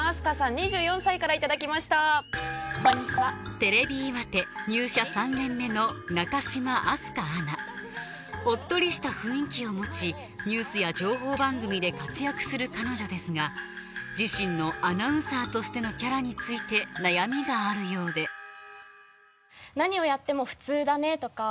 テレビ岩手入社３年目のおっとりした雰囲気を持ちニュースや情報番組で活躍する彼女ですが自身のアナウンサーとしてのキャラについて悩みがあるようで何をやっても普通だねとか。